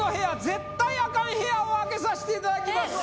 絶対アカン部屋を開けさしていただきます